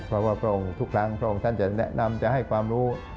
เพราะว่าพระองค์ทุกครั้งพระองค์ท่านจะแนะนำจะให้ความรู้